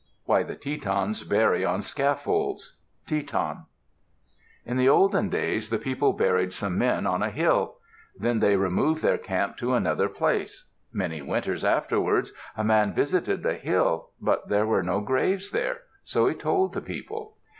WHY THE TETONS BURY ON SCAFFOLDS Teton In the olden days, the people buried some men on a hill. Then they removed their camp to another place. Many winters afterwards, a man visited the hill; but there were no graves there. So he told the people.